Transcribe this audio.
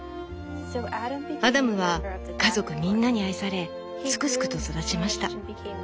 「アダムは家族みんなに愛されすくすくと育ちました。